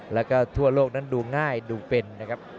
แล้วก็ทั่วโลกนั้นดูง่ายดูเป็นนะครับ